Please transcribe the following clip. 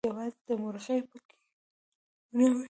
يوازې دمرغۍ پۍ پکې نه وې